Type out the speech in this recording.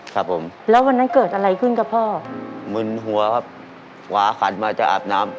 ครับผมแล้ววันนั้นเกิดอะไรขึ้นกับพ่อมึนหัวครับขวาขันมาจะอาบน้ำ